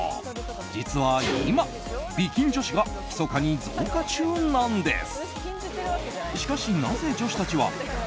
実は今、美筋女子がひそかに増加中なんです。